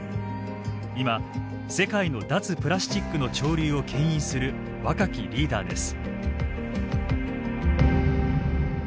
今世界の脱プラスチックの潮流を牽引する若きリーダーです。